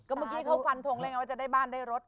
ก็เมื่อกี้เขาฝันทงว่าจะได้บ้านได้รถ